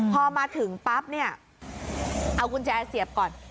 พอมาถึงปั๊บเนี่ยเอากุญแจเสียบก่อน